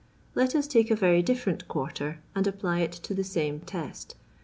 "Let us uke a very di&rent quarter, and apply it to the same test.